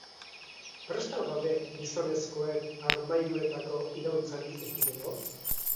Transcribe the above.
Prest al gaude gizonezkoen armairuetako iraultzari ekiteko?